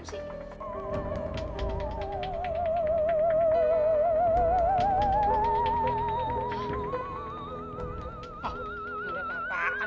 gak ada apa apaan